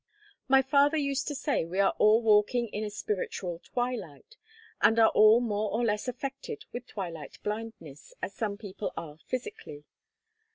My father used to say we are all walking in a spiritual twilight, and are all more or less affected with twilight blindness, as some people are physically.